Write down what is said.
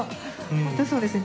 本当そうですね。